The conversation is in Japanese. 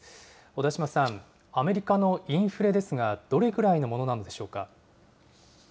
小田島さん、アメリカのインフレですが、どれくらいのものなのでしょうか。